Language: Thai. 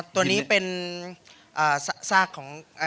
ตัวนี้เป็นซากของ